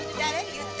言って。